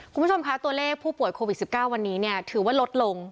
คุณผู้ชมคะตัวเลขผู้ป่วยโควิด๑๙วันนี้เนี่ยถือว่าลดลง